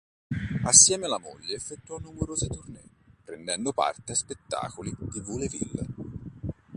Assieme alla moglie effettuò numerose tournée, prendendo parte a spettacoli di vaudeville.